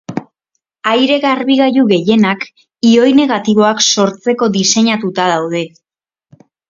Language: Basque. Aire-garbigailu gehienak ioi negatiboak sortzeko diseinatuta daude.